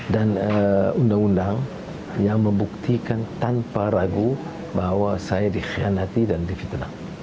dan undang undang yang membuktikan tanpa ragu bahwa saya dikhianati dan difitnah